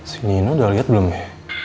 si mino udah liat belum ya